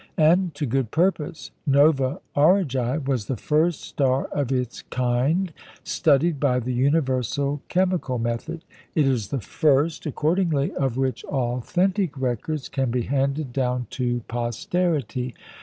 And to good purpose. Nova Aurigæ was the first star of its kind studied by the universal chemical method. It is the first, accordingly, of which authentic records can be handed down to posterity.